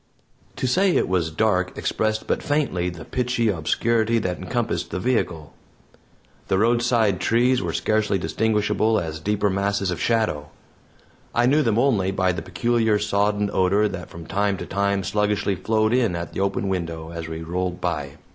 To say it was dark expressed but faintly the pitchy obscurity that encompassed the vehicle. The roadside trees were scarcely distinguishable as deeper masses of shadow; I knew them only by the peculiar sodden odor that from time to time sluggishly flowed in at the open window as we rolled by.